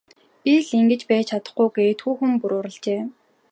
Би л ингэж байж чадахгүй гээд хүүхэн бүр уурлажээ.